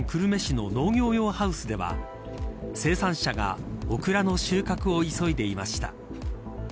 浸水被害があったばかりの福岡県久留米市の農業用ハウスでは生産者がオクラの収穫を急いでいました。